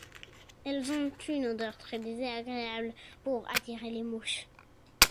Elles ont une odeur très désagréable pour attirer les mouches.